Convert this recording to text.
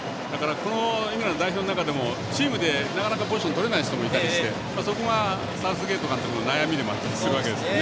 イングランド代表の中でもチームでなかなかポジション取れない人もいてそこが、サウスゲート監督の悩みでもあったりするんですよね。